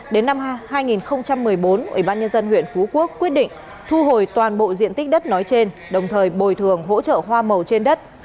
đến năm hai nghìn một mươi bốn ủy ban nhân dân huyện phú quốc quyết định thu hồi toàn bộ diện tích đất nói trên đồng thời bồi thường hỗ trợ hoa màu trên đất